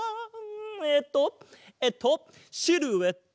えっとえっとシルエット！